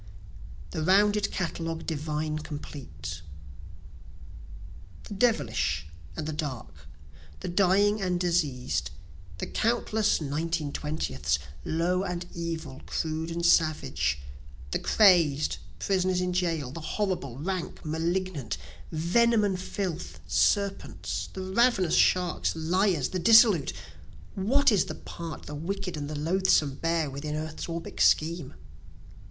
"The Rounded Catalogue Divine Complete" The devilish and the dark, the dying and diseas'd, The countless (nineteen twentieths) low and evil, crude and savage, The crazed, prisoners in jail, the horrible, rank, malignant, Venom and filth, serpents, the ravenous sharks, liars, the dissolute; (What is the part the wicked and the loathesome bear within earth's orbic scheme?)